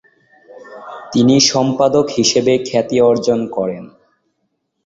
তিনি সম্পাদক হিসেবে খ্যাতি অর্জন করেন।